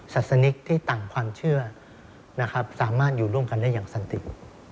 ศาสนิกที่ต่างความเชื่อนะครับสามารถอยู่ร่วมกันได้อย่างสันติ